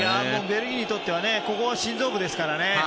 ベルギーにとってはここが心臓部ですからね。